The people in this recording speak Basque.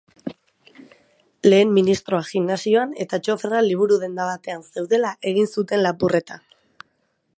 Lehen ministroa gimnasioan eta txoferra liburu-denda batean zeudela egin zuten lapurreta.